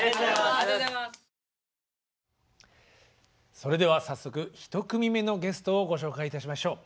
それでは早速１組目のゲストをご紹介いたしましょう。